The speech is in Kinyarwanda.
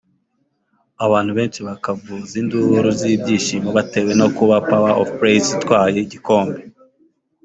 abantu benshi bakavuza induru z'ibyishimo batewe no kuba Power of Praise itwaye igikombe